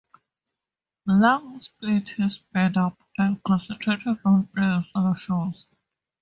Lang split his band up and concentrated on playing solo shows.